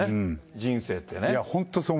人生ってね。